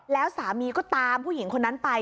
แล้วสามีก็ตามผู้หญิงคนนั้นไป